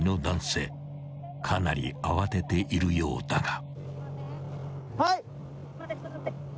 ［かなり慌てているようだが］